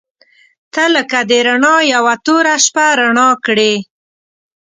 • ته لکه د رڼا یوه توره شپه رڼا کړې.